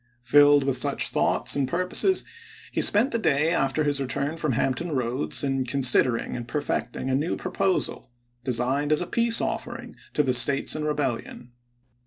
Filled with such thoughts and purposes, he spent the day after his return from Hampton Roads in considering and perfecting a new proposal, designed as a peace offering to the States in rebel lion.